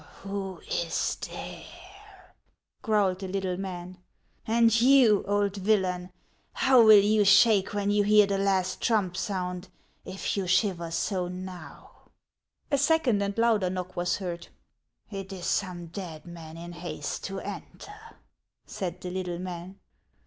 " Who is there ?" growled the little man. " And you, old villain, how you will shake when you hear the last trump sound, if you shiver so now !" A second and louder knock was heard. " It is some dead man in haste to enter," said the little man.